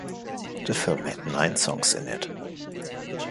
The film had nine songs in it.